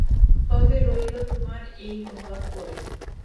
তবে রইল তোমার এই ঘর পড়ে।